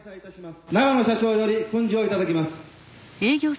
・永野社長より訓示をいただきます。